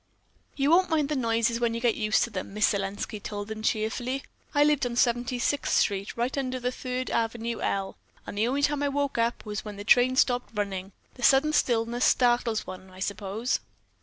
"You won't mind the noises when you get used to them," Miss Selenski told them cheerfully. "I lived on Seventy sixth Street, right under the Third Avenue L, and the only time I woke up was when the trains stopped running. The sudden stillness startles one, I suppose."